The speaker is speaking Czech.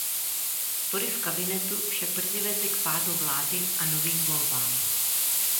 Spory v kabinetu však brzy vedly k pádu vlády a novým volbám.